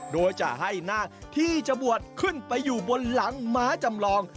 โดยจะให้นาคที่จะบวชขึ้นไปอยู่บนหลังม้าจำลอง